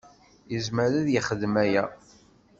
Yezmer ad yexdem aya.